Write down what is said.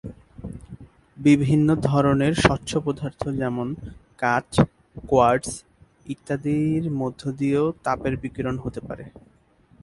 বিভিন্ন ধরনের স্বচ্ছ পদার্থ যেমন- কাচ, কোয়ার্টজ ইত্যাদির মধ্য দিয়েও তাপের বিকিরণ হতে পারে।